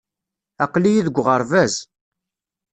Aql-iyi deg uɣerbaz.